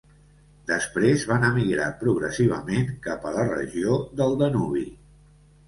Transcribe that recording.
Després van emigrar progressivament cap a la regió del Danubi.